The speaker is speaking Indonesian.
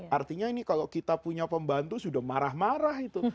artinya ini kalau kita punya pembantu sudah marah marah itu